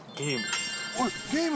ゲーム。